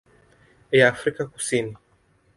ya Afrika Kusini.